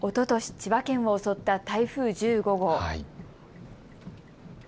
千葉県を襲った台風１５号。